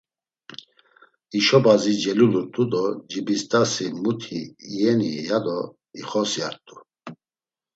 Hişo bazi celulurt̆u do Cibist̆asi muti iyeni, ya do ixosyart̆u.